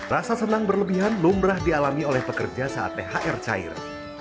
rasa senang berlebihan lumrah dialami oleh pekerja saat thr cair